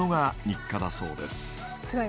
すごい。